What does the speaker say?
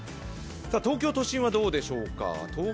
東京都心はどうでしょうか。